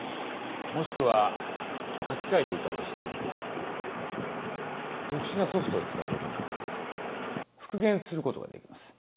もしくは書き換えていたとしても特殊なソフトを使うことによって復元することができます。